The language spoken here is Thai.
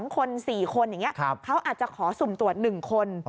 ๒คน๔คนอย่างนี้เขาอาจจะขอสุ่มตรวจ๑คน